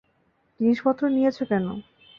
জিনিসপত্র নিয়েছ কেন?